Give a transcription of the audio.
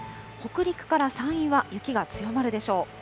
北陸から山陰は雪が強まるでしょう。